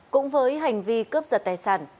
cũng với hành vi cướp giật tài sản